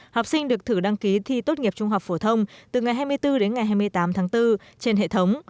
học sinh được thử đăng ký thi tốt nghiệp trung học phổ thông từ ngày hai mươi bốn đến ngày hai mươi tám tháng bốn trên hệ thống